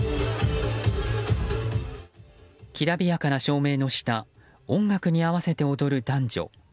きらびやかな照明の下音楽に合わせて踊る男女。